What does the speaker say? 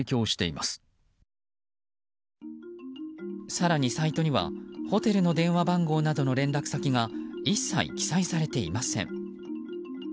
更にサイトにはホテルの電話番号などの連絡先が一切記載されていません。